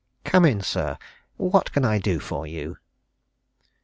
"Come in, sir. What can I do for you?"